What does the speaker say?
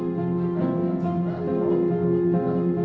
mencoba untuk mencoba